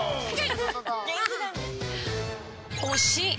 「推し」。